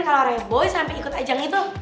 kalau reboy sampai ikut ajang itu